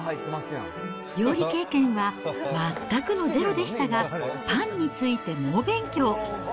料理経験は全くのゼロでしたが、パンについて猛勉強。